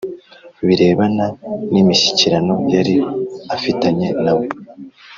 Birebana n imishyikirano yari afitanye na we